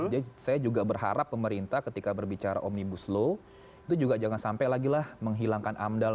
jadi saya juga berharap pemerintah ketika berbicara omnibus law itu juga jangan sampai lagi lah menghilangkan amdal menghilangkan perusahaan